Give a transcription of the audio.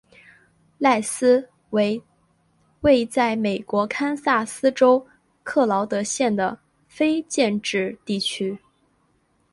赖斯为位在美国堪萨斯州克劳德县的非建制地区。